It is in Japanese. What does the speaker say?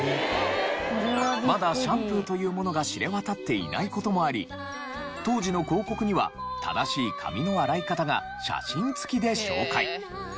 まだシャンプーというものが知れ渡っていない事もあり当時の広告には正しい髪の洗い方が写真付きで紹介。